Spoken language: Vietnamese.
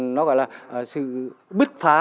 nó gọi là sự bứt phá